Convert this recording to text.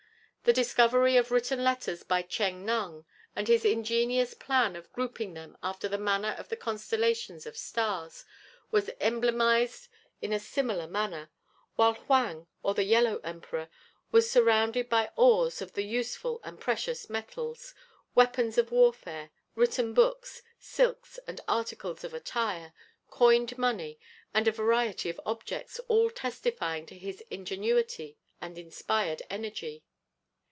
The discovery of written letters by Tcheng Nung, and his ingenious plan of grouping them after the manner of the constellations of stars, was emblemized in a similar manner, while Huang, or the Yellow Emperor, was surrounded by ores of the useful and precious metals, weapons of warfare, written books, silks and articles of attire, coined money, and a variety of objects, all testifying to his ingenuity and inspired energy.